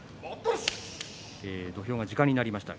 土俵が時間になりました。